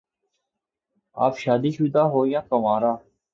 آپ شادی شدہ ہو یا کنوارہ؟